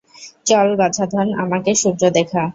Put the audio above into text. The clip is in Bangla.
চল, বাছাধন, আমাকে সূর্য দেখা।